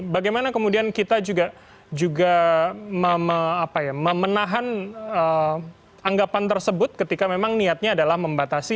bagaimana kemudian kita juga memenahan anggapan tersebut ketika memang niatnya adalah membatasi